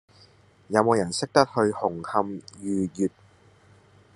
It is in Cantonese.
有無人識得去紅磡御悅